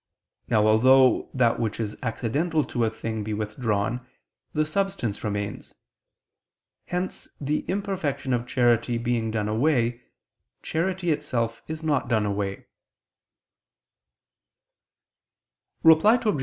Now although that which is accidental to a thing be withdrawn, the substance remains. Hence the imperfection of charity being done away, charity itself is not done away. Reply Obj.